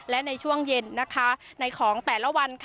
และในช่วงเย็นในของแต่ละวัน